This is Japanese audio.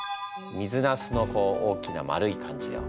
水なすのこう大きな丸い感じを。